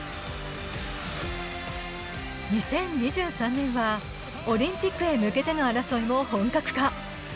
２０２３年はオリンピックへ向けての争いも本格化。